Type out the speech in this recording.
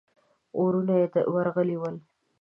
وروڼه يې ورغلي ول.